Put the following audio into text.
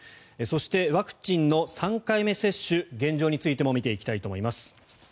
そして、ワクチンの３回目接種現状についても見ていきたいと思います。